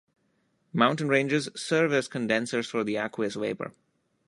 Mountain ranges serve as condensers for the aqueous vapour.